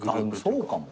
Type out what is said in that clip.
そうかも。